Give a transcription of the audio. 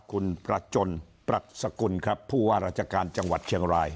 คุณประจนปรัชสกุลครับผู้ว่าราชการจังหวัดเชียงราย